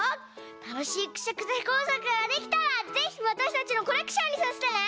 たのしいくしゃくしゃこうさくができたらぜひわたしたちのコレクションにさせてね！